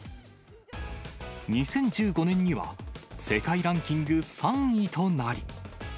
２０１５年には世界ランキング３位となり。